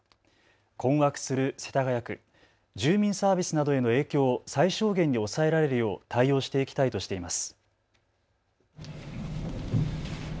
困惑する世田谷区、住民サービスなどへの影響を最小限に抑えられるよう対応していきたいとしています。